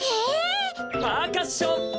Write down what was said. パーカッション！